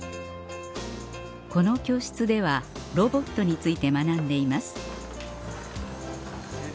この教室ではロボットについて学んでいます